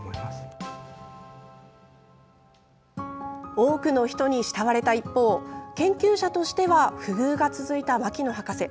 多くの人に慕われた一方研究者としては不遇が続いた牧野博士。